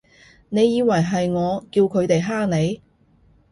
你以為係我叫佢哋㗇你？